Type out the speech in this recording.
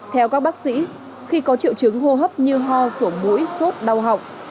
theo các bác sĩ khi có triệu chứng hô hấp như ho sổ mũi sốt đau học